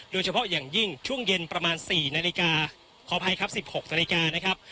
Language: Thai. โดยเฉพาะอย่างยิ่งช่วงเย็นประมาณ๔นาฬิกาขออภัยครับ๑๖นาฬิกานะครับ